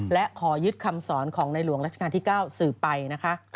และขอยึดคำสอนของในหลวงราชการที่๙สืบไปนะคะ